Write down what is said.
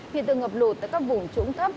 hiện tượng ngập lụt tại các vùng trúng thấp